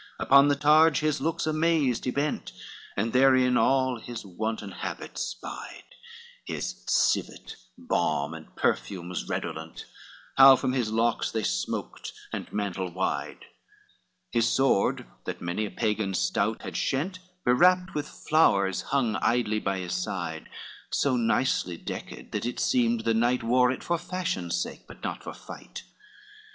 XXX Upon the targe his looks amazed he bent, And therein all his wanton habit spied, His civet, balm, and perfumes redolent, How from his locks they smoked and mantle wide, His sword that many a Pagan stout had shent, Bewrapped with flowers, hung idly by his side, So nicely decked that it seemed the knight Wore it for fashion's sake but not for fight.